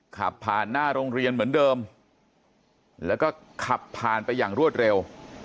ขับผ่านหน้าโรงเรียนเหมือนเดิมแล้วก็ขับผ่านไปอย่างรวดเร็ว